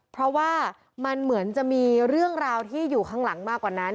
เพราะว่ามันเหมือนจะมีเรื่องราวที่อยู่ข้างหลังมากกว่านั้น